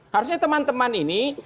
harusnya teman teman ini